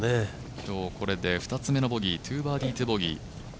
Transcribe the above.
今日これで２つめのボギー、２バーディー２ボギー。